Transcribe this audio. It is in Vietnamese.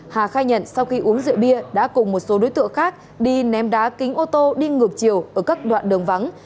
hà khai nhận sau khi uống rượu bia đã cùng một số đối tượng khác đi ném đá kính ô tô đi ngược chiều ở các đoạn đường vắng